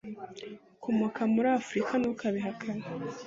ukomoka muri Africa ntukabihakane